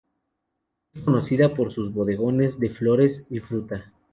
Es conocida por sus bodegones de flores y fruta.